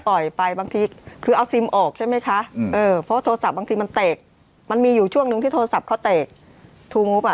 ไปบางทีคือเอาซิมออกใช่ไหมคะเออเพราะโทรศัพท์บางทีมันเตะมันมีอยู่ช่วงนึงที่โทรศัพท์เขาเตะทูงบอ่ะ